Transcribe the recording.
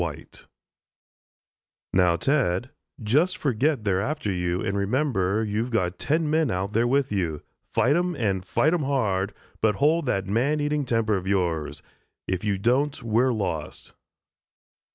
WHITE "Now, Ted, just forget they're after you and remember you've got ten men out there with you. Fight 'em and fight 'em hard, but hold that man eating temper of yours. If you don't, we're lost."